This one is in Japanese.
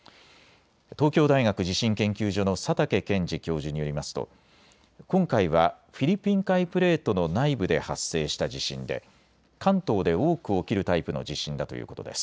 東京大学地震研究所の佐竹健治教授によりますと今回はフィリピン海プレートの内部で発生した地震で関東で多く起きるタイプの地震だということです。